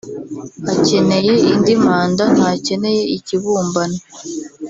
Akeneye indi manda ntakeneye ikibumbano